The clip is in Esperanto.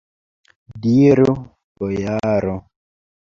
Diru, bojaro!